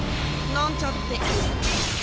なんちゃって。